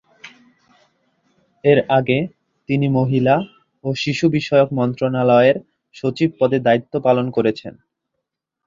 এর আগে তিনি মহিলা ও শিশু বিষয়ক মন্ত্রণালয়ের সচিব পদে দায়িত্ব পালন করেছেন।